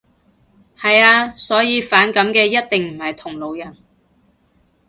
係呀。所以反感嘅一定唔係同路人